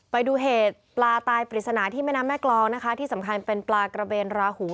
ไปดูเหตุปลาตายปริศนาที่แม่น้ำแม่กรองนะคะที่สำคัญเป็นปลากระเบนราหู